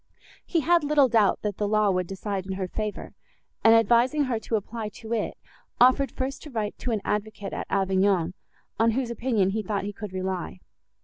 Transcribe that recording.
He had little doubt, that the law would decide in her favour, and, advising her to apply to it, offered first to write to an advocate at Avignon, on whose opinion he thought he could rely.